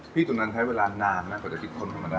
พี่จุนันใช้เวลานานมากกว่าจะคิดควรทำอะไรนะ